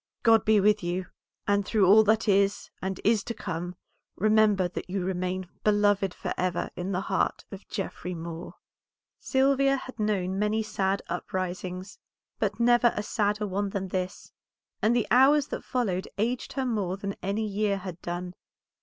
God be with you, and through all that is and is to come, remember that you remain beloved forever in the heart of Geoffrey Moor." Sylvia had known many sad uprisings, but never a sadder one than this, and the hours that followed aged her more than any year had done.